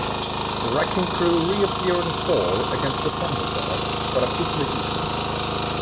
The Wrecking Crew reappear in "Thor" against the Thunder God, but are quickly beaten.